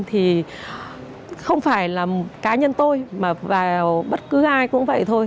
thì không phải là cá nhân tôi mà vào bất cứ ai cũng vậy thôi